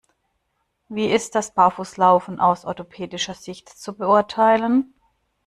Wie ist das Barfußlaufen aus orthopädischer Sicht zu beurteilen?